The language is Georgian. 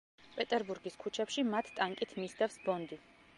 პეტერბურგის ქუჩებში მათ ტანკით მისდევს ბონდი.